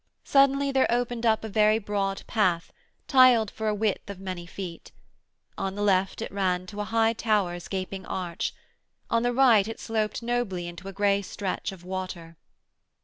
Suddenly there opened up a very broad path, tiled for a width of many feet. On the left it ran to a high tower's gaping arch. On the right it sloped nobly into a grey stretch of water.